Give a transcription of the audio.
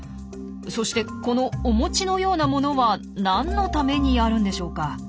そしてこのお餅のようなものは何のためにあるんでしょうか？